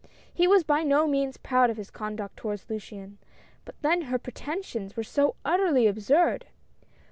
He was by no means proud of his conduct toward Luciane — but then her pretensions were so utterly absurd